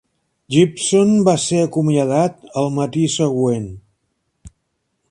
Gibson va ser acomiadat al matí següent.